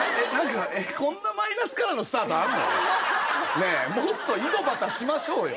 ねえもっと井戸端しましょうよ！